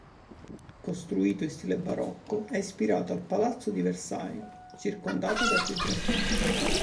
Costruito in stile barocco, è ispirato al palazzo di Versailles circondato dai suoi giardini.